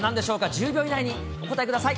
１０秒以内にお答えください。